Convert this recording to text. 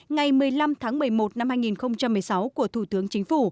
ngày một mươi năm tháng một mươi một năm hai nghìn một mươi sáu của thủ tướng chính phủ